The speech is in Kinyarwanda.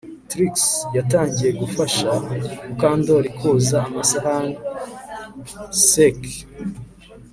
Trix yitangiye gufasha Mukandoli koza amasahani CK